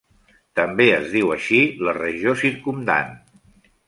També es diu així la regió circumdant.